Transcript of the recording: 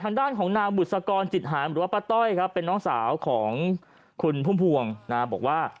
ทางด้านของนางบุษกรจิตหารหรือว่าป้าต้อยครับเป็นน้องสาวของคุณพุ่มพวงนะบอกว่า